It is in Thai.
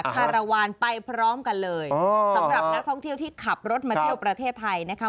คารวาลไปพร้อมกันเลยสำหรับนักท่องเที่ยวที่ขับรถมาเที่ยวประเทศไทยนะคะ